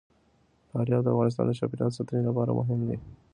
فاریاب د افغانستان د چاپیریال ساتنې لپاره مهم دي.